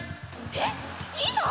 えっいいの！？